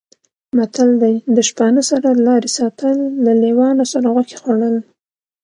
متل دی: د شپانه سره لارې ساتل، له لېوانو سره غوښې خوړل